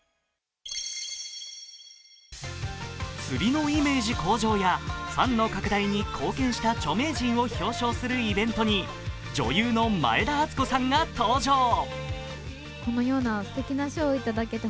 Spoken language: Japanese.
釣りイメージ向上やファンの拡大に貢献した著名人を表彰するイベントに女優の前田敦子さんが登場。